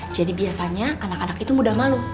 jadi biasanya anak anak itu mudah malu